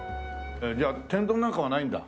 じゃあ天丼なんかはないんだ？